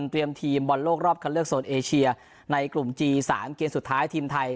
เตรียมทีมบอลโลกรอบคันเลือกโซนเอเชียในกลุ่มจีน๓เกมสุดท้ายทีมไทย